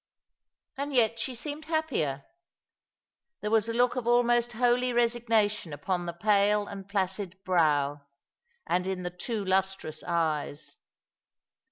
And yet she seemed happier. There was a look of almost holy resignation upon the pale and placid brow, and in the too lustrous eyes.